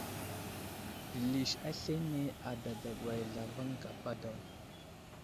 Pəlis aslane adadagwa zlavaŋ gapa daw.